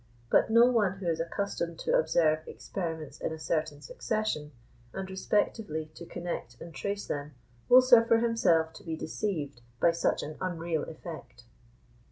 But no one who is accustomed to observe experiments in a certain succession, and respectively to connect and trace them, will suffer himself to be deceived by such an unreal effect.